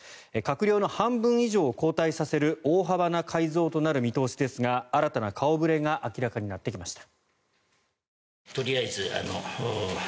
閣僚の半分以上を交代させる大幅な改造となる見通しですが新たな顔触れが明らかになってきました。